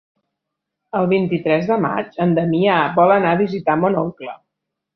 El vint-i-tres de maig en Damià vol anar a visitar mon oncle.